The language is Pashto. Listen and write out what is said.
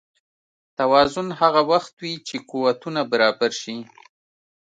توازن هغه وخت وي چې قوتونه برابر شي.